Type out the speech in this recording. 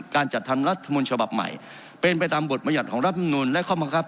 การจัดทำรัฐมนต์ฉบับใหม่เป็นไปตามบทบรรยัติของรัฐมนุนและข้อบังคับ